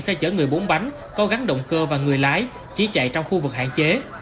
xe chở người bốn bánh co gắn động cơ và người lái chí chạy trong khu vực hạn chế